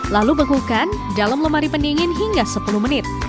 lalu bekukan dalam lemari pendingin hingga sepuluh menit